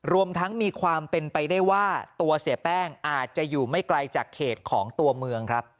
รวมทั้งมีความเป็นไปได้ว่าตัวเสียแป้งอาจจะอยู่ไม่ไกลจากเขตของตัวเมืองครับ